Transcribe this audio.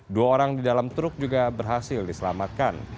dua orang di dalam truk juga berhasil diselamatkan